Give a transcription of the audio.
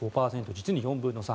実に４分の３。